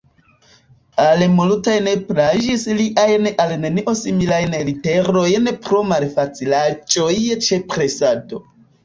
Al multaj ne plaĝis liajn al nenio similajn literojn pro malfacilaĵoj ĉe presado.